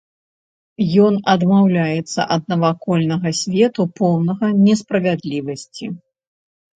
Ён адмаўляецца ад навакольнага свету, поўнага несправядлівасці.